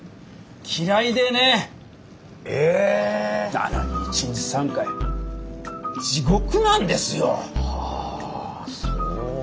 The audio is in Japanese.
なのに一日３回地獄なんですよ。はあそうですか。